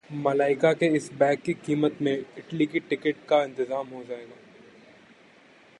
मलाइका के इस बैग की कीमत में इटली की टिकट का इंतज़ाम हो जाएगा